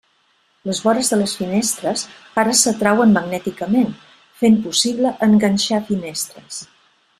Les vores de les finestres ara s'atrauen magnèticament, fent possible “enganxar” finestres.